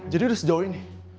jadi udah sejauh ini